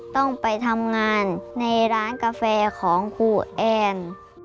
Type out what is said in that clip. ต้องไปทำงานในร้านกาแฟของครูแอน